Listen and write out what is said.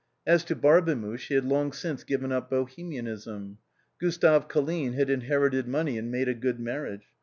As to Barbemuche he had long since given up Bohemianism. Gustave Colline had inherited money and made a good marriage.